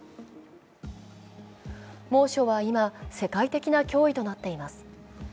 猛暑は今世界的な脅威となっています。